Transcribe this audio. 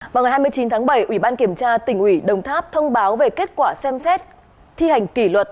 vào ngày hai mươi chín tháng bảy ủy ban kiểm tra tỉnh ủy đồng tháp thông báo về kết quả xem xét thi hành kỷ luật